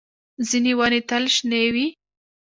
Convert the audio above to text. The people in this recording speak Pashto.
ځینې ونې تل شنې وي